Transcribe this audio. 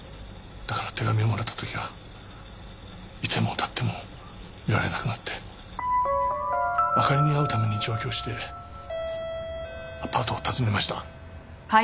だから手紙をもらった時はいても立ってもいられなくなってあかりに会うために上京してアパートを訪ねました。